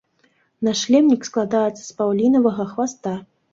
Нашлемнік складаецца з паўлінавага хваста.